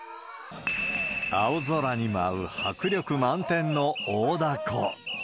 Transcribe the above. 青空に舞う迫力満点の大だこ。